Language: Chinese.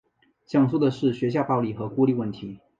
讲述的是学校暴力和孤立问题。